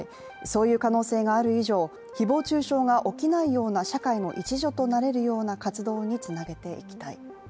そういう可能性がある以上誹謗中傷が起きないような社会の一助となれるような活動につなげていきたい。